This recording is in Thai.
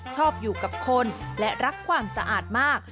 ชอบอยู่กับคนและรักความสะอาดมาก